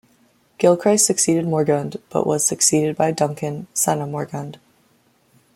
Gilchrist succeeded Morgund, but was succeeded by Duncan, son of Morgund.